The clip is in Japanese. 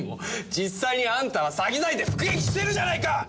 実際にあんたは詐欺罪で服役してるじゃないか！